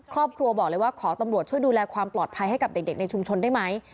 ครอบครัวบอกเลยว่าขอตำรวจช่วยดูแลความปลอดภัยให้กับเด็กในชุมชนได้ไหม